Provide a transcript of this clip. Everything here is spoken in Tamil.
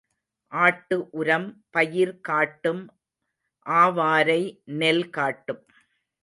ஆட்டு உரம் பயிர் காட்டும் ஆவாரை நெல் காட்டும்.